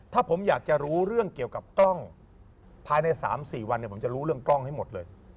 ถ้าผมอยากจะรู้เรื่องเกี่ยวกับกล้องภายใน๓๔วันผมจะรู้เรื่องกล้องให้หมดเลย